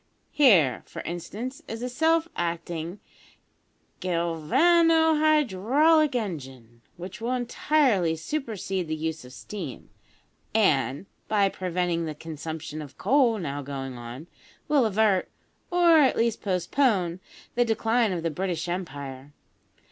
Here, for instance, is a self acting galvano hydraulic engine, which will entirely supersede the use of steam, and, by preventing the consumption of coal now going on, will avert, or at least postpone, the decline of the British Empire.